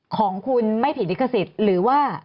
ของคุณไม่ผิดลิขสิทธิ์หรือว่า